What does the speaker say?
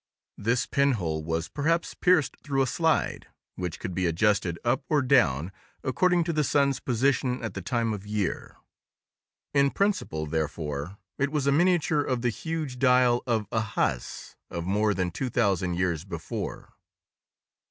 This pinhole was perhaps pierced through a slide, which could be adjusted up or down according to the sun's position at the time of year. In principle, therefore, it was a miniature of the huge dial of Ahaz of more than two thousand years before.